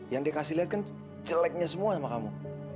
yang dikasih liat kan jeleknya semua sama kamu